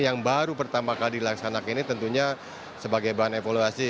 yang baru pertama kali dilaksanakan ini tentunya sebagai bahan evaluasi